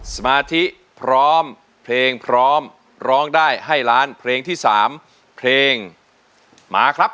สมาธิพร้อมเพลงพร้อมร้องได้ให้ล้านเพลงที่๓เพลงมาครับ